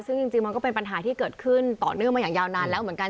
ซึ่งจริงมันก็เป็นปัญหาที่เกิดขึ้นต่อเนื่องมาอย่างยาวนานแล้วเหมือนกัน